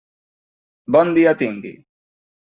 Bon dia tingui.